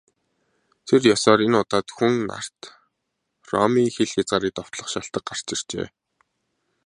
Тэр ёсоор энэ удаад Хүн нарт Ромын хил хязгаарыг довтлох шалтаг гарч иржээ.